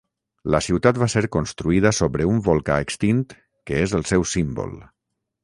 La ciutat va ser construïda sobre un volcà extint que és el seu símbol.